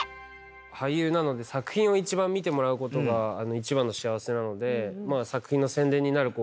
俳優なので作品を見てもらうことが一番の幸せなのでまあ作品の宣伝になる。